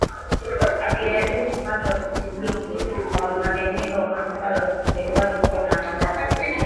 akijaribu kupata udhibiti wa maeneo ambayo yaliwahi kuwa na amani